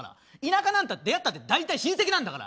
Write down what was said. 田舎なんか出会ったって大体親戚なんだから。